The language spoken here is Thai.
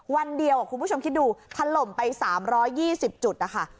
วันเดียวคุณผู้ชมคิดดูถล่มไป๓๒๐จุดนะคะ